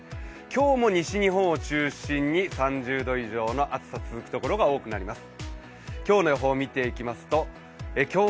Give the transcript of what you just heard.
今日も西日本を中心に３０度以上の暑さ続くところ多くなります。